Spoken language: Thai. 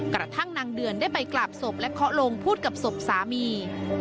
กระทั่งนางเดือนได้ไปกราบศพและเคาะลงพูดกับศพสามี